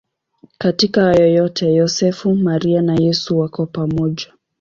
Katika hayo yote Yosefu, Maria na Yesu wako pamoja.